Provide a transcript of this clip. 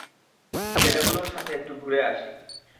ছেলেগুলোর সাথে একটু ঘুরে আসি।